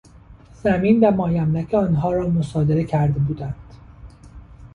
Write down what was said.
زمین و مایملک آنها را مصادره کرده بودند.